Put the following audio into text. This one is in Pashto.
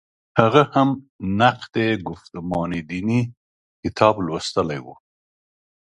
هغه هم «نقد ګفتمان دیني» کتاب لوستلی و.